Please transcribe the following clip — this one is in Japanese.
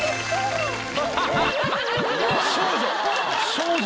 少女。